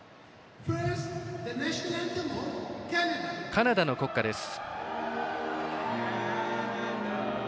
カナダの国歌です。